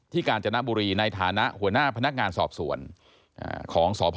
กาญจนบุรีในฐานะหัวหน้าพนักงานสอบสวนของสพ